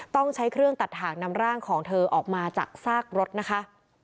ต้องใช้เครื่องตัดถ่างนำร่างของเธอออกมาจากซากรถนะคะ